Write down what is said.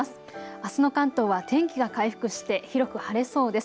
あすの関東は天気が回復して広く晴れそうです。